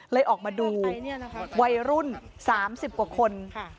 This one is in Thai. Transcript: เลยออกมาดูไว้รุ่นสามสิบกว่าคนค่ะ